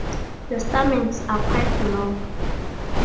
The stamens are quite long.